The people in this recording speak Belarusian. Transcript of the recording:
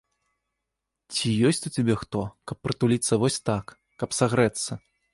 Ці ёсць у цябе хто, каб прытуліцца вось так, каб сагрэцца?